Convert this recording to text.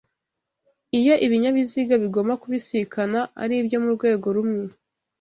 Iyo ibinyabiziga bigomba kubisikana ari ibyo mu rwego rumwe